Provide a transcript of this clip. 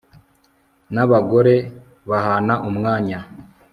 nabagore bahana umwanya